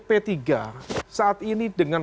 p tiga saat ini dengan